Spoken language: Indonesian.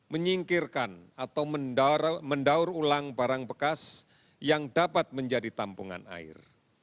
menyingkirkan atau mendaur ulang barang bekas yang dapat menjadi tampungan air